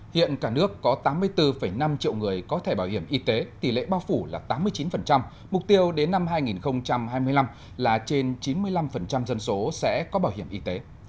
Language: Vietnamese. hiện cả nước có tám mươi bốn năm triệu người có thẻ bảo hiểm y tế tỷ lệ bao phủ là tám mươi chín mục tiêu đến năm hai nghìn hai mươi năm là trên chín mươi năm dân số sẽ có bảo hiểm y tế